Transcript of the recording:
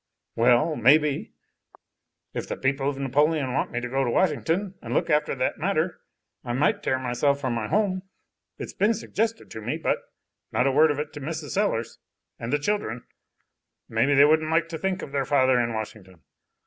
"Well, maybe. If the people of Napoleon want me to go to Washington, and look after that matter, I might tear myself from my home. It's been suggested to me, but not a word of it to Mrs. Sellers and the children. Maybe they wouldn't like to think of their father in Washington.